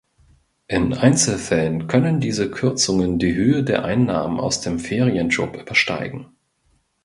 In Einzelfällen können diese Kürzungen die Höhe der Einnahmen aus dem Ferienjob übersteigen.